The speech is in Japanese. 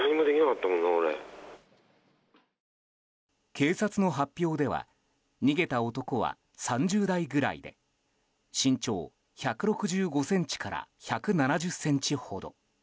警察の発表では逃げた男は３０代ぐらいで身長１６５ｃｍから１７０ｃｍほど。